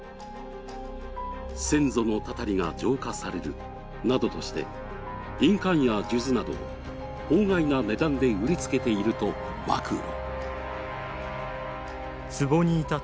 先祖のたたりが浄化されるなどとして印鑑や数珠など法外な値段で売りつけていると暴露。